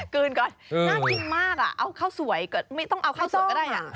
คืนก่อนน่ากินมากอ่ะเอาข้าวสวยไม่ต้องเอาข้าวสวยก็ได้